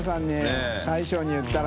佑А大将に言ったら。